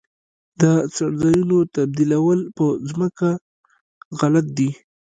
د څړځایونو تبدیلول په ځمکو غلط دي.